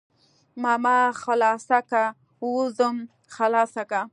ماما خلاصه که وځم خلاصه که.